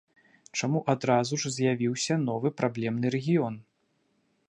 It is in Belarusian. Чаму адразу ж з'явіўся новы праблемны рэгіён?